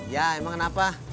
ya emang kenapa